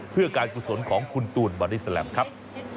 เพื่อการฝุดสนของคุณตูนบอนิสลัมครับ